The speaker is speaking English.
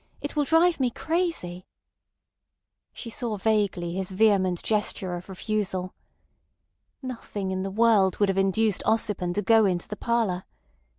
It will drive me crazy." She saw vaguely his vehement gesture of refusal. Nothing in the world would have induced Ossipon to go into the parlour.